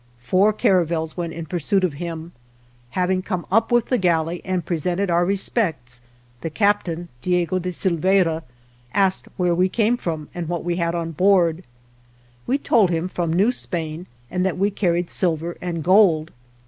Four caravels went in pursuit of him. Having come up with the galley and presented our respects, the captain, Diego de Silveira, asked where we came from and what we had on board, We 187 THE JOURNEY OF told him from New Spain, and that we car ried silver and gold.